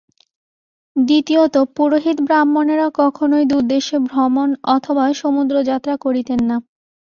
দ্বিতীয়ত পুরোহিত ব্রাহ্মণেরা কখনই দূরদেশে ভ্রমণ অথবা সমুদ্রযাত্রা করিতেন না।